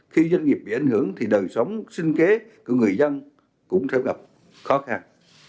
khi doanh nghiệp bị ảnh hưởng thì đời sống sinh kế của người dân cũng sẽ gặp khó khăn